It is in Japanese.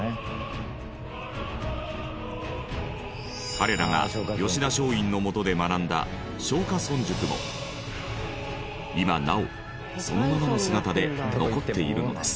彼らが吉田松陰のもとで学んだ松下村塾も今なおそのままの姿で残っているのです。